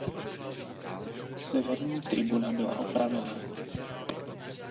Severní tribuna byla opravena.